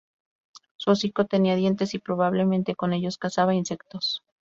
Su hocico tenía dientes y probablemente con ellos cazaba insectos.